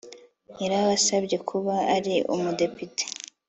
yarabasabye kuba ari umudepite